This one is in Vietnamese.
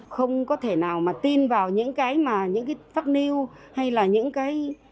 không có thể nào mà tin vào những cái mà những cái phát niêu hay là những cái